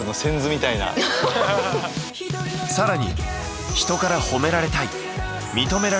更に。